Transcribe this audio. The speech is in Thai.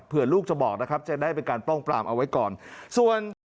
เพื่อลูกจะบอกนะครับจะได้เป็นการป้องปรามเอาไว้ก่อนส่วน